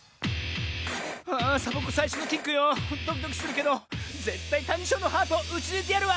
あサボ子さいしょのキックよドキドキするけどぜったいタニショーのハートをうちぬいてやるわ！